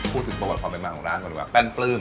พูดถึงประวัติความเป็นมาของร้านก่อนดีกว่าแป้นปลื้ม